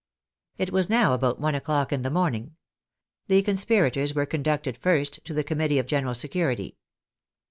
It was now about one o'clock in the morning. The conspirators were conducted first to the Committee of General Security.